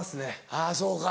あぁそうか。